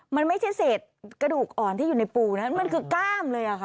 มันไม่ใช่เศษกระดูกอ่อนที่อยู่ในปูนะมันคือกล้ามเลยอะค่ะ